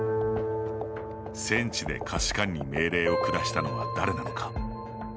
戦地で下士官に命令を下したのは誰なのか。